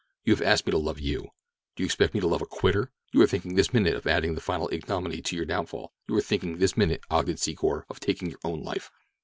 "You have asked me to love you. Do you expect me to love a quitter? You are thinking this minute of adding the final ignominy to your downfall; you are thinking this minute, Ogden Secor, of taking your own life.